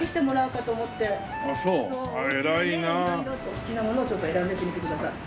お好きなものをちょっと選んでいってみてください。